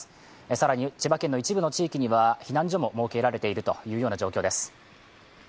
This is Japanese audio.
更に、千葉県の一部の地域には避難所も設けられている状況です。